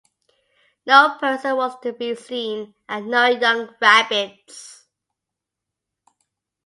No person was to be seen, and no young rabbits.